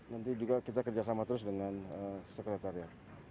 nanti juga kita kerjasama terus dengan sekretar ya